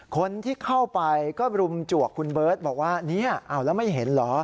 คนที่เข้าไปก็รุมจวกคุณเบิร์ตบอกว่าเนี่ยเอาแล้วไม่เห็นเหรอ